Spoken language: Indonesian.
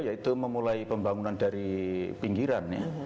yaitu memulai pembangunan dari pinggiran